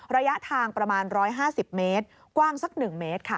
ระยะทางประมาณ๑๕๐เมตรกว้างสัก๑เมตรค่ะ